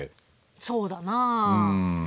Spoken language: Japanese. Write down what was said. そうだなあ。